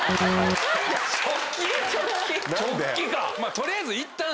取りあえずいったん。